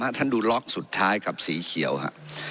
ท่านดูล็อกสุดท้ายกับสีเขียวฮะ